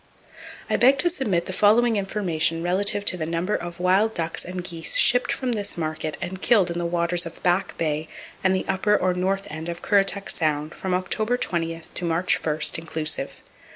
I beg to submit the following information relative to the number of wild ducks and geese shipped from this market and killed in the waters of Back Bay and the upper or north end of Currituck Sound, from October 20th to March 1st, inclusive.